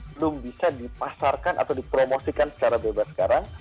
belum bisa dipasarkan atau dipromosikan secara bebas sekarang